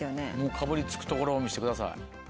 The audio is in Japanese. かぶりつくところを見せてください。